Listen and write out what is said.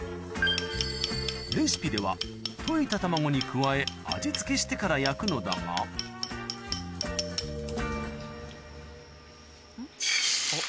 レシピでは溶いた卵に加え味付けしてから焼くのだがあっ。